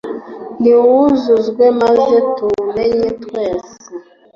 niwuzuzwe maze tuwumenye twese